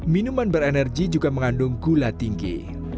minuman berenergi juga mengandung gula tinggi